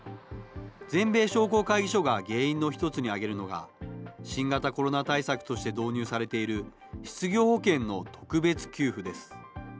全米商工会議所が原因の一つに挙げるのが、新型コロナ対策として導入されている、失業保険の特別給付です。